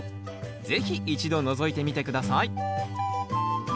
是非一度のぞいてみて下さい。